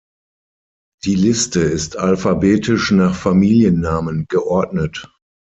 Die Liste ist alphabetisch nach Familiennamen geordnet.